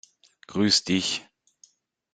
Grüß dich!